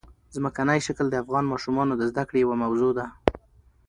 ځمکنی شکل د افغان ماشومانو د زده کړې یوه موضوع ده.